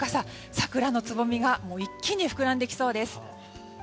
桜のつぼみが一気に膨らんできそうです。